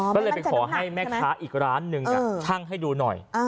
ก็เลยไปขอให้แม่ค้าอีกร้านหนึ่งช่างให้ดูหน่อย